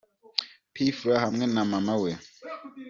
P Fla hamwe na mama we.